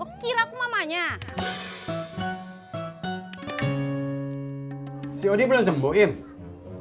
oh kau gak mau libur libur